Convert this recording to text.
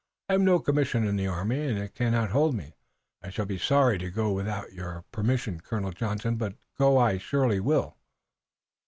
I have no commission in the army and it cannot hold me. I shall be sorry to go without your permission, Colonel Johnson, but go I surely will."